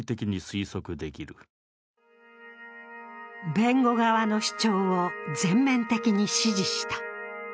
弁護団の主張を全面的に支持した。